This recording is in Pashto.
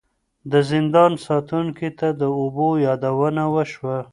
د زندان ساتونکي ته د اوبو یادونه وشوه.